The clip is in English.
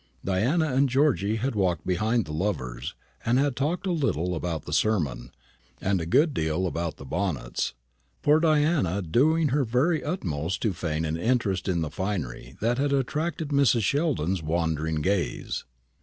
Diana and Georgy had walked behind the lovers, and had talked a little about the sermon, and a good deal about the bonnets; poor Diana doing her very uttermost to feign an interest in the finery that had attracted Mrs. Sheldon's wandering gaze.